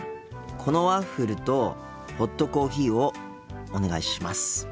このワッフルとホットコーヒーをお願いします。